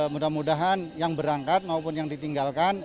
mudah mudahan yang berangkat maupun yang ditinggalkan